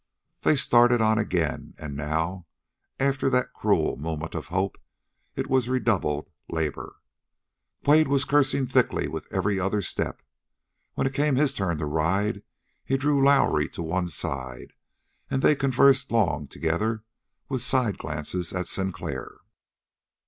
They started on again, and now, after that cruel moment of hope, it was redoubled labor. Quade was cursing thickly with every other step. When it came his turn to ride he drew Lowrie to one side, and they conversed long together, with side glances at Sinclair.